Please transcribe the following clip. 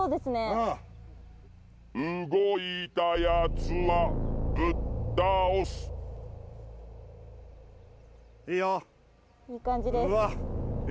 うん動いた奴はぶっ倒すいいよいい感じですうわ